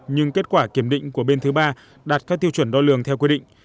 nhưng kết quả kiểm định của bên thứ ba đạt các tiêu chuẩn đo lường theo quy định